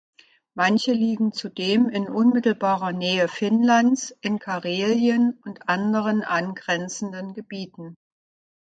Manche liegen zudem in unmittelbarer Nähe Finnlands, in Karelien und anderen angrenzenden Gebieten.